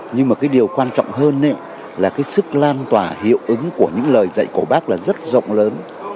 nhưng mà cái điều quan trọng hơn là cái sức lan tỏa hiệu ứng của những lời dạy của bác là rất rộng lớn